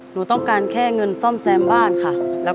หนูต้องการแค่เงินซ่อมแซมบ้านค่ะ